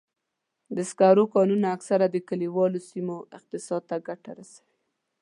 د سکرو کانونه اکثراً د کلیوالو سیمو اقتصاد ته ګټه رسوي.